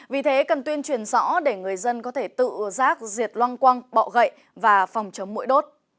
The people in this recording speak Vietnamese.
vì thế cần tuyên truyền rõ để người dân có thể tự giác diệt loang quăng bọ gậy và phòng chống mũi đốt